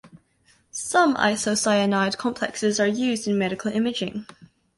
Some isocyanide complexes are used in medical imaging.